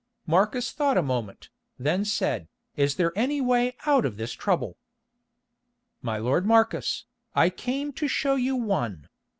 Marcus thought a moment, then said, "Is there any way out of this trouble?" "My lord Marcus, I came to show you one.